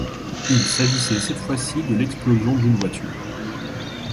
Il s'agissait cette fois-ci de l'explosion d'une voiture.